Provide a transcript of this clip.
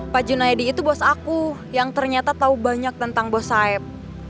pak junaidi itu bos aku yang ternyata tahu banyak tentang bos saib